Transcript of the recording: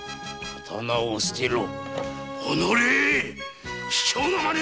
刀を捨てろ！